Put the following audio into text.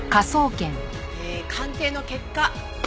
えー鑑定の結果